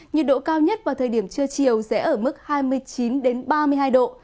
nhiệt độ cao nhất vào thời điểm trưa chiều sẽ ở mức hai mươi chín ba mươi hai độ